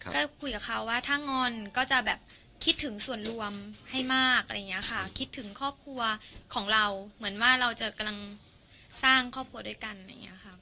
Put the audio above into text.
ก็คุยกับเขาว่าถ้างอนก็จะแบบคิดถึงส่วนรวมให้มากอะไรอย่างเงี้ยค่ะคิดถึงครอบครัวของเราเหมือนว่าเราจะกำลังสร้างครอบครัวด้วยกันอะไรอย่างนี้ค่ะ